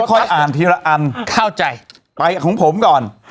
ค่อยอ่านทีละอันไปของผมก่อน